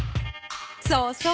そうそう。